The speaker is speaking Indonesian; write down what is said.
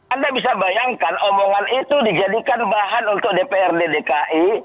anda bisa bayangkan omongan itu dijadikan bahan untuk dprd dki